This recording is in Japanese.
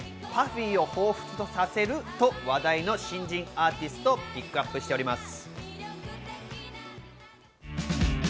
ＰＵＦＦＹを彷彿とさせると話題の新人アーティスト、ピックアップしています。